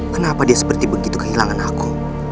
kenapa dia seperti begitu kehilangan aku